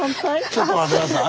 ちょっと待って下さい。